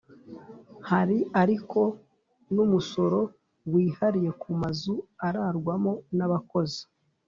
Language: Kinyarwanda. Hari ariko n umusoro wihariye ku mazu ararwamo n abakozi